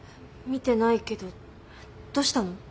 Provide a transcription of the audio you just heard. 見てないけどどうしたの？